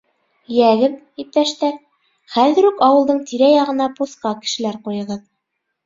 — Йәгеҙ, иптәштәр, хәҙер үк ауылдың тирә-яғына посҡа кешеләр ҡуйығыҙ.